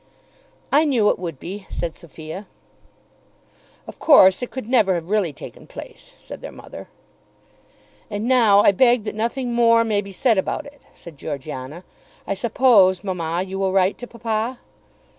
"I knew it would be," said Sophia. "Of course it could never have really taken place," said their mother. "And now I beg that nothing more may be said about it," said Georgiana. "I suppose, mamma, you will write to papa?"